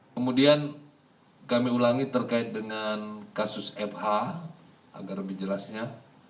kemudian kami ulangi terkait dengan kasus fh agar lebih jelasnya